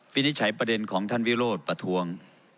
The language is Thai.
วินิจฉัยประเด็นของท่านวิโรธประท้วง